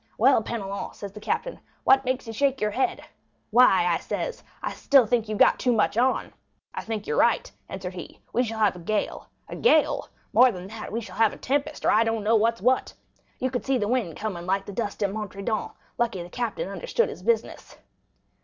'Well, Penelon,' said the captain, 'what makes you shake your head?' 'Why,' I says, 'I still think you've got too much on.' 'I think you're right,' answered he, 'we shall have a gale.' 'A gale? More than that, we shall have a tempest, or I don't know what's what.' You could see the wind coming like the dust at Montredon; luckily the captain understood his business.